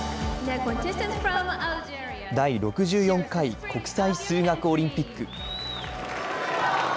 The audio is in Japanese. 第６４回国際数学オリンピック。